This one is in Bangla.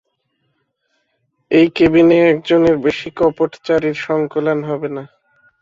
এই কেবিনে একজনের বেশি কপটচারীর সংকুলান হবে না।